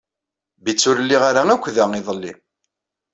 Bitt ur lliɣ ara akk da iḍelli.